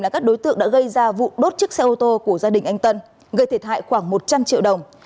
chức xe ô tô của gia đình anh tân gây thiệt hại khoảng một trăm linh triệu đồng